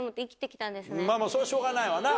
それはしょうがないわな。